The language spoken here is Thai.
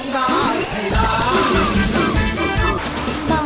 คือร้องได้ให้ร้อง